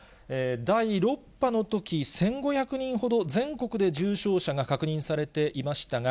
第６波のとき、１５００人ほど、全国で重症者が確認されていましたが、